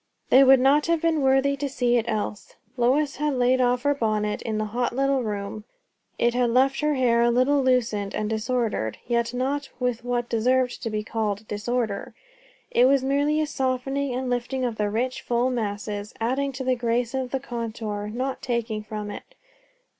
They would not have been worthy to see it else. Lois had laid off her bonnet in the hot little room; it had left her hair a little loosened and disordered; yet not with what deserved to be called disorder; it was merely a softening and lifting of the rich, full masses, adding to the grace of the contour, not taking from it.